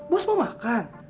bos mau makan